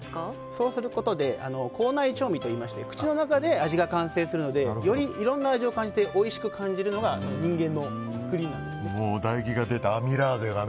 そうすることで口内調味ということで口の中で味が完成するのでよりいろんな味を感じておいしく感じるのが人間の作りなんですね。